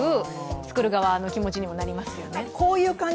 作る側の気持ちにもなりますよね。